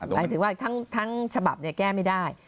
หมายถึงว่าทั้งฉบับแก้ไม่ได้